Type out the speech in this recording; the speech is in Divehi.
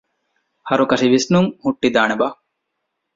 ހަރުކަށި ވިސްނުން ހުއްޓުވިދާނެ ބާ؟